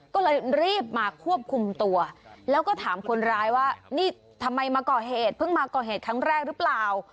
ก็เลยรีบมาควบคุมตัวแล้วก็ถามคนร้ายว่านี่ทำไมมาก่อเหตุเพิ่งมาก่อเหตุครั้งแรกหรือเปล่า